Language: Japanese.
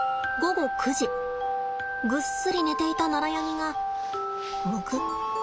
ぐっすり寝ていたナラヤニがむくっ。